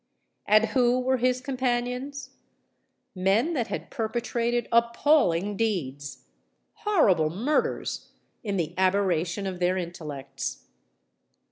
And who were his companions? Men that had perpetrated appalling deeds—horrible murders—in the aberration of their intellects!